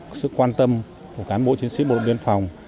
cái trách nhiệm của cán bộ chiến sĩ bộ đội biên phòng